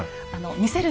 見せる？